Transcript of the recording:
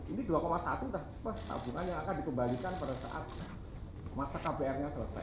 ini dua satu tabungan yang akan dikembalikan pada saat masa kbr nya selesai